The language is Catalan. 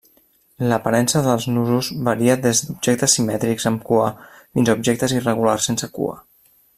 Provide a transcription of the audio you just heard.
L'aparença dels nusos varia des d'objectes simètrics amb cua fins a objectes irregulars sense cua.